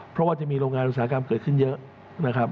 เพราะว่าจะมีโรงงานอุตสาหกรรมเกิดขึ้นเยอะนะครับ